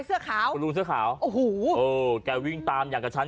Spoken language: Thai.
เสื้อขาวคุณลุงเสื้อขาวโอ้โหเออแกวิ่งตามอย่างกับชั้น